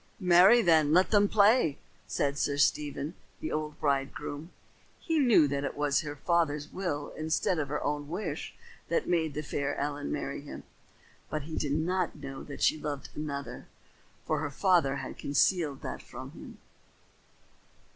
"Marry then, let him play," said Sir Stephen, the old bridegroom. He knew that it was her father's will instead of her own wish that made the fair Ellen marry him. But he did not know that she loved another, for her father had concealed it from him.